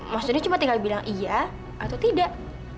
mas doni cuma tinggal bilang iya atau tidak